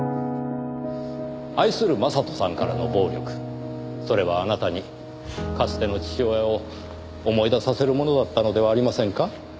愛する将人さんからの暴力それはあなたにかつての父親を思い出させるものだったのではありませんか？